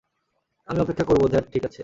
আমি অপেক্ষা করবো ধ্যাত ঠিক আছে।